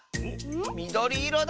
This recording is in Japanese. みどりいろだ！